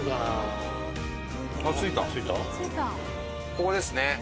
ここですね。